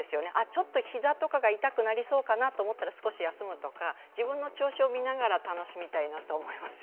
ちょっと膝とかが痛くなりそうだなと思ったら少し休むとか、自分の調子をみながら楽しみたいと思います。